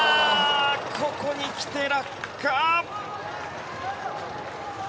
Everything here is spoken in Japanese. ここにきて落下。